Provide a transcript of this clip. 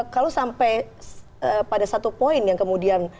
kalau sampai pada satu poin yang kemudian